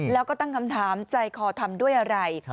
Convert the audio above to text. แล้วก็ตั้งคำถามใจคอทำด้วยอะไร